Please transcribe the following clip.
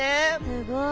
すごい。